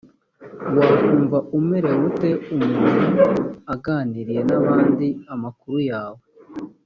wakumva umerewe ute umuntu aganiriye n abandi amakuru yawe?